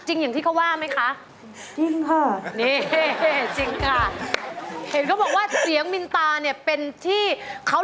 จริงอย่างที่เขาว่าไหมคะ